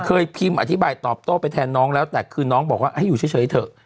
เคยพิมพ์อธิบายตอบโต้ไปแทนน้องแล้วแต่คือน้องบอกว่าให้อยู่เฉยเถอะ